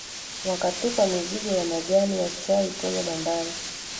wakatupa mizigo ya majani ya chai kwenye bandari